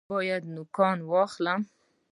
ایا زه باید خپل نوکان واخلم؟